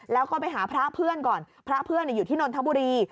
แล้วก็ไปหาพระเพื่อนก่อนพระเพื่อนอยู่ที่นนทบุรี